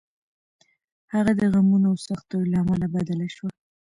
هغه د غمونو او سختیو له امله بدله شوه.